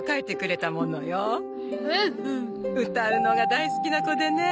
歌うのが大好きな子でね。